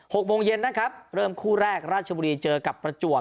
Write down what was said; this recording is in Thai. หกโมงเย็นนะครับเริ่มคู่แรกราชบุรีเจอกับประจวบ